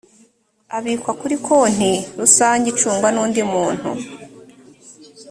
abikwa kuri konti rusange icungwa n’ undi muntu